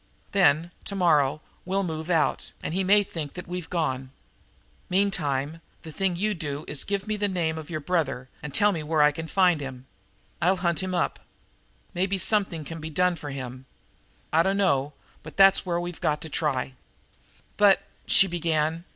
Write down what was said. Then, tomorrow, we'll move out, and he may think that we've gone. Meantime the thing you do is to give me the name of your brother and tell me where I can find him. I'll hunt him up. Maybe something can be done for him. I dunno, but that's where we've got to try." "But " she began.